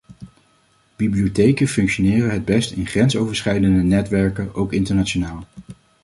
Bibliotheken functioneren het best in grensoverschrijdende netwerken, ook internationaal.